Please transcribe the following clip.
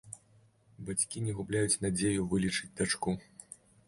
Бацькі не губляюць надзею вылечыць дачку.